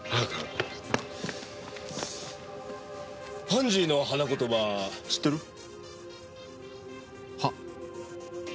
パンジーの花言葉知ってる？はっ？